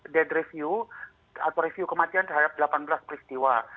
dead review atau review kematian terhadap delapan belas peristiwa